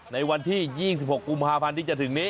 ในวันที่๒๖กุมภาพันธ์ที่จะถึงนี้